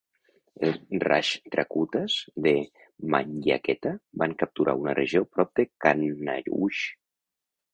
Els Rashtrakutas de Manyakheta van capturar una regió prop de Kannauj.